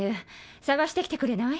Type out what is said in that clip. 捜してきてくれない？